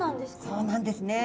そうなんですね。